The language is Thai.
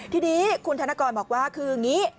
ทีนี้คุณธนกรบอกว่าคืออย่างนี้